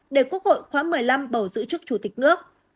để quốc hội khoáng một mươi năm bầu